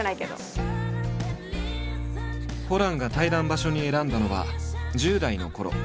ホランが対談場所に選んだのは１０代のころ